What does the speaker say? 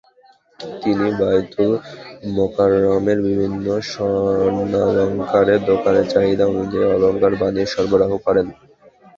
তিনি বায়তুল মোকাররমের বিভিন্ন স্বর্ণালংকারের দোকানের চাহিদা অনুযায়ী অলংকার বানিয়ে সরবরাহ করেন।